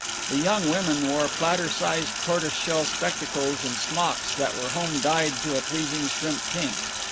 The young women wore platter sized tortoise shell spectacles and smocks that were home dyed to a pleasing shrimp pink.